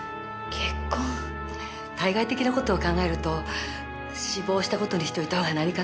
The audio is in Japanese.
対外的な事を考えると死亡した事にしておいた方が何かと。